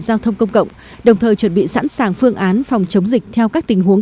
giao thông công cộng đồng thời chuẩn bị sẵn sàng phương án phòng chống dịch theo các tình huống